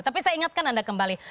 tapi saya ingatkan anda kembali